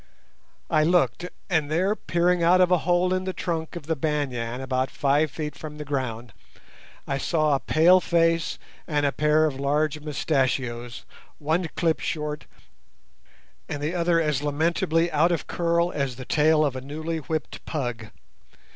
I looked, and there, peering out of a hole in the trunk of the banyan about five feet from the ground, I saw a pale face and a pair of large mustachios, one clipped short and the other as lamentably out of curl as the tail of a newly whipped pug.